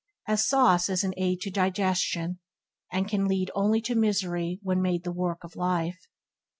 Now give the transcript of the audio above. As sauce is an aid to digestion, and can only lead to misery when made the work of life.